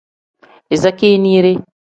Iza keeniire.